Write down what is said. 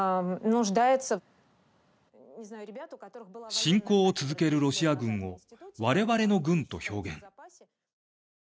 侵攻を続けるロシア軍をわれわれの軍と表現。